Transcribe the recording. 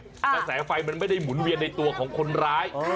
กระแสไฟมันไม่ได้หมุนเวียนในตัวของคนร้าย